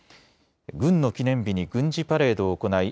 軍の記念日に軍事パレードを行い